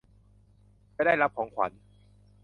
จะได้รับของขวัญ